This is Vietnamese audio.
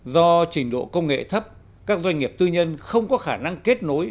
do trình độ công nghệ thấp các doanh nghiệp tư nhân không có khả năng kết nối